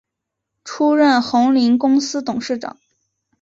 出任鸿霖公司董事长。